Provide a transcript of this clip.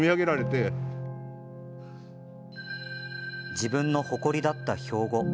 自分の誇りだった標語。